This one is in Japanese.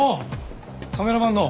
カメラマンの。